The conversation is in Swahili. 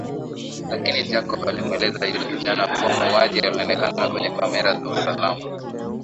Lakini Jacob alimueleza yule kijana kuwa muuaji alionekana kwenye kamera za usalama